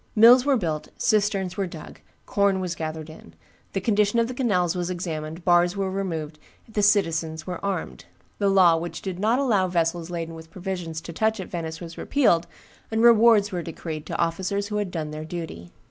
Mills were built, cisterns were dug, corn was gathered in, the condition of the canals was examined, bars were removed, the citizens were armed; the law which did not allow vessels laden with provisions to touch at Venice was repealed, and rewards were decreed to officers who had done their duty.